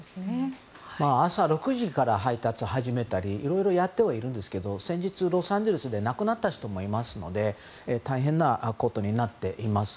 朝６時から配達を始めたりいろいろやってはいるんですがロサンゼルスで亡くなった方もいますので大変なことになっています。